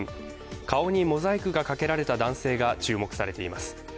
顔にモザイクがかけられた男性が注目されています。